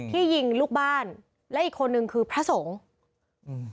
ที่ยิงลูกบ้านและอีกคนนึงคือพระสงฆ์อืม